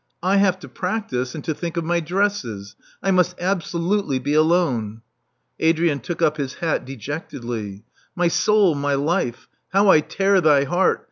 I have to practise, and to think of my dresses: I must absolutely be alone." Adrian took up his hat dejectedly. My soul, my life, how I tear thy heart!"